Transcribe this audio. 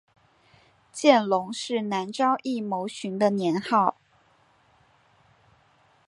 见龙是南诏异牟寻的年号。